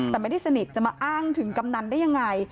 แต่ไม่ได้สนิทจะมาอ้างถึงกำนันได้ยังไง